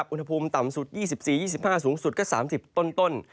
อุณหภูมิต่ำสุด๒๔๒๕สูงสุดก็๓๐ต้น